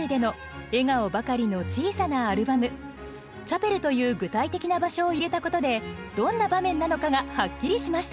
「チャペル」という具体的な場所を入れたことでどんな場面なのかがはっきりしました。